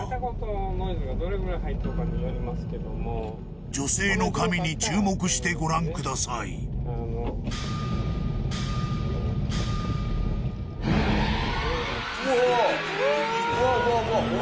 ノイズがどれぐらい入ってるかによりますけども女性の髪に注目してご覧くださいうわ